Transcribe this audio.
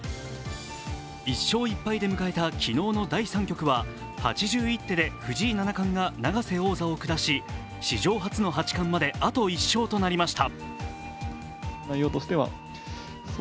１勝１敗で迎えた昨日の第３局は８１手で藤井七冠が永瀬王座を下し史上初の八冠まであと１勝となりました。